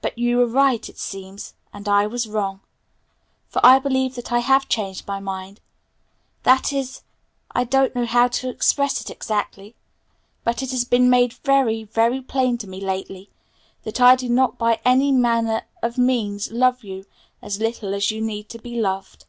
But you were right, it seems, and I was wrong. For I believe that I have changed my mind. That is: I don't know how to express it exactly, but it has been made very, very plain to me lately that I do not by any manner of means love you as little as you need to be loved.